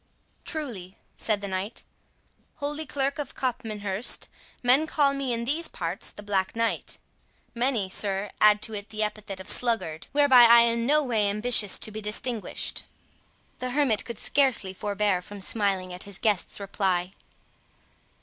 "Truly," said the knight, "Holy Clerk of Copmanhurst, men call me in these parts the Black Knight,—many, sir, add to it the epithet of Sluggard, whereby I am no way ambitious to be distinguished." The hermit could scarcely forbear from smiling at his guest's reply.